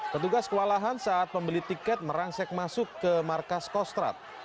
petugas kewalahan saat pembeli tiket merangsek masuk ke markas kostrad